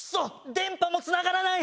電波もつながらない！